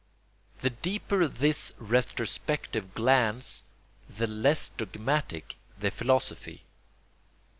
The deeper this retrospective glance the less dogmatic the philosophy.